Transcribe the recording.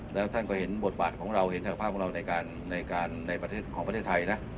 แล้วท่านก็เห็นบทบาทของเราเห็นทางภาพของเราในประเทศของประเทศไทยนะ